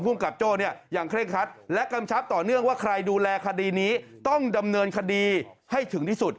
กับโจ้เนี่ยอย่างเคร่งคัดและกำชับต่อเนื่องว่าใครดูแลคดีนี้ต้องดำเนินคดีให้ถึงที่สุด